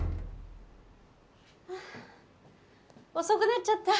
はぁ遅くなっちゃった。